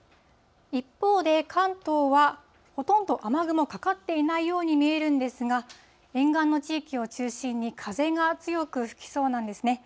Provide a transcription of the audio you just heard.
一方で、関東はほとんど雨雲かかってないように見えるんですが、沿岸の地域を中心に、風が強く吹きそうなんですね。